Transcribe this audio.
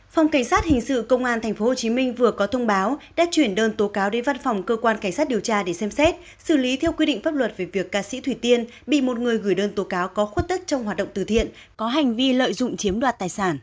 phòng cảnh sát hình sự công an tp hcm vừa có thông báo đã chuyển đơn tố cáo đến văn phòng cơ quan cảnh sát điều tra để xem xét xử lý theo quy định pháp luật về việc ca sĩ thủy tiên bị một người gửi đơn tố cáo có khuất tức trong hoạt động từ thiện có hành vi lợi dụng chiếm đoạt tài sản